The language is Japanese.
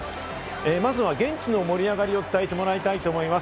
まずは現地の盛り上がりを伝えてもらいたいと思います。